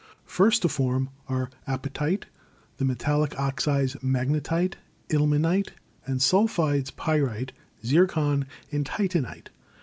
First to form are apa tite, the metallic oxides (magnetite, ilmenite), and sul phides (pyrite), zircon and titanite.